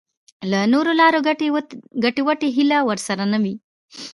له نورو لارو د ګټې وټې هیله ورسره نه وي.